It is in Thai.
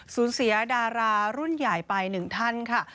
สูญเสียดารารุ่นใหญ่ไปหนึ่งท่านค่ะ